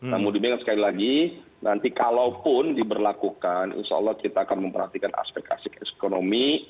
namun demikian sekali lagi nanti kalaupun diberlakukan insya allah kita akan memperhatikan aspek aspek ekonomi